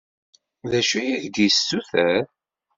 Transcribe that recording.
D acu i ak-d-yessuter?